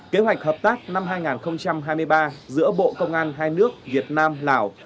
kế hoạch hợp tác năm hai nghìn hai mươi ba giữa bộ công an hai nước việt nam lào